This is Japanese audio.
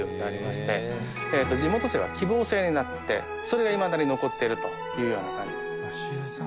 地元生は希望制になってそれがいまだに残ってるというような感じです。